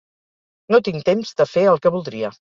No tinc temps de fer el que voldria